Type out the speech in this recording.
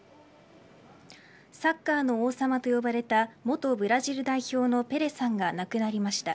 サッカーの王様と呼ばれた元ブラジル代表のペレさんが亡くなりました。